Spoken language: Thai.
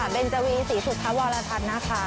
เบนเจอร์วีศรีสุทธิ์พระวรภัณฑ์นะคะ